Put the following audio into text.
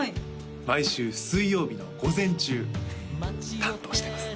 毎週水曜日の午前中担当してます